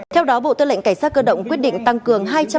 theo đó bộ tư lệnh cảnh sát cơ động quyết định tăng cường